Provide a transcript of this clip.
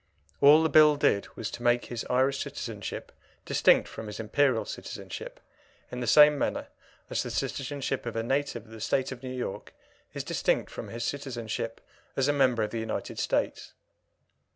All the Bill did was to make his Irish citizenship distinct from his Imperial citizenship, in the same manner as the citizenship of a native of the State of New York is distinct from his citizenship as a member of the United States.